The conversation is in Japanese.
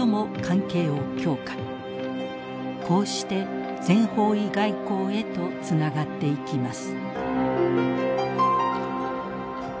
こうして全方位外交へとつながっていきます。